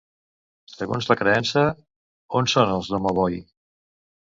Segons la creença, on són els Domovoi?